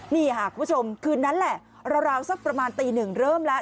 นี่ค่ะคุณผู้ชมคืนนั้นแหละราวสักประมาณตีหนึ่งเริ่มแล้ว